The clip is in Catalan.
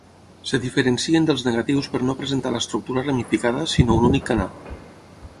Es diferencien dels negatius per no presentar l’estructura ramificada, sinó un únic canal.